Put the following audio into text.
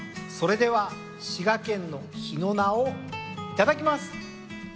それでは滋賀県の日野菜をいただきます。